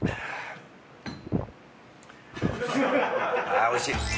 あおいしい。